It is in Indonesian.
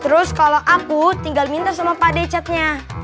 terus kalau aku tinggal minta sama pak dechatnya